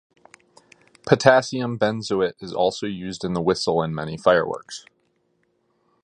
Potassium benzoate is also used in the whistle in many fireworks.